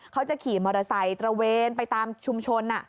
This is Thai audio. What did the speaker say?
เขาจะขี่มอเตอร์ไซค์ตระเวนไปตามชุมชน